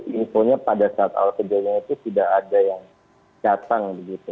infonya pada saat hal terjadi itu tidak ada yang catang gitu